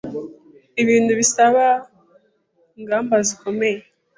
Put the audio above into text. Ibintu bisaba ingamba zikomeye.